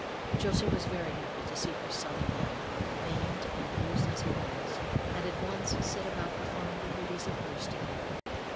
Josie was very happy to see her son again, maimed and bruised as he was, and at once set about performing the duties of nurse to him.